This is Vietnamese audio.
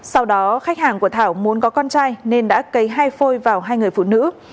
sau đó khách hàng của thảo muốn có con trai nên đã cấy hai phôi vào hai người phụ nữ